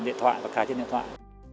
điện thoại và cài trên điện thoại